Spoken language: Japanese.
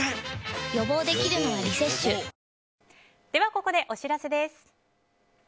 ここでお知らせです。